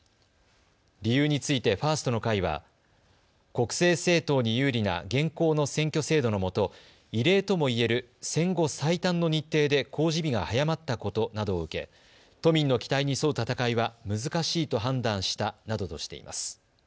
理由についてファーストの会は国政政党に有利な現行の選挙制度のもと異例ともいえる戦後最短の日程で公示日が早まったことなどを受け都民の期待に沿う戦いは難しいと判断したなどとしています。